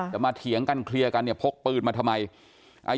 มาเถียงกันเคลียร์กันเนี่ยพกปืนมาทำไม